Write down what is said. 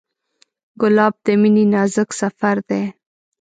ګلاب د مینې نازک سفر دی.